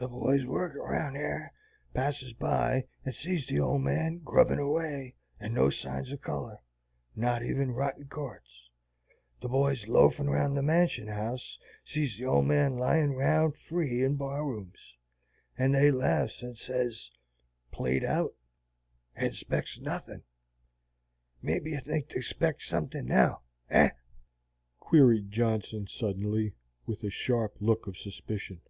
The boys workin' round yar passes by and sees the old man grubbin' away, and no signs o' color, not even rotten quartz; the boys loafin' round the Mansion House sees the old man lyin' round free in bar rooms, and they laughs and sez, 'Played out,' and spects nothin'. Maybe ye think they spects suthin now, eh?" queried Johnson, suddenly, with a sharp look of suspicion.